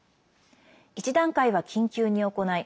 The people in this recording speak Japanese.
１段階は緊急に行い